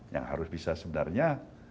yang harus bisa sebenarnya